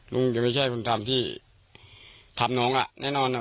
ลุงยังไม่ใช่คนทำที่ทำน้องเนี่ยแน่นอน